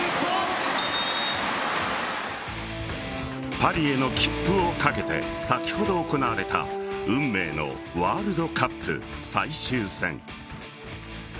パリへの切符をかけて先ほど、行われた運命のワールドカップ最終戦。